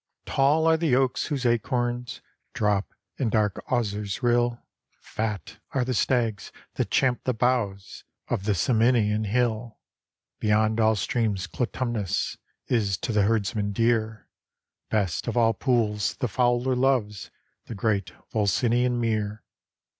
Tall are the oaks whose acorns Drop in dark Auser's rill; 270 HORATIUS Fat are the stags that champ the boughs Of the Ciminian hill; Beyond all streams Clitumnus Is to the herdsman dear; Best of all pools the fowler loves The great Volsinian mere.